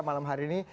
malam hari ini